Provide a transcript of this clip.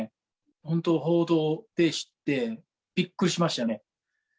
本当、報道で知って、びっくりしましたね。